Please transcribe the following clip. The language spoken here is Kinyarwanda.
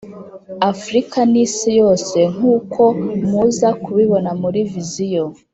Africa n,isi yose nk,uko muza kubibona muri visiyo,